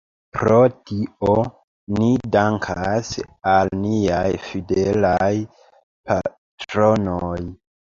Pro tio ni dankas al niaj fidelaj patronoj.